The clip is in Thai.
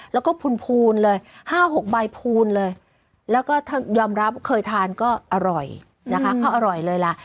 แล้วก็พูนเลย๕๖ใบพูนเลยแล้วก็ยอมรับเคยทานก็อร่อยนะคะเขาอร่อยเลยล่ะ